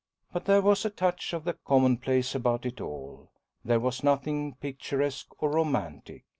But there was a touch of the commonplace about it all. There was nothing picturesque or romantic.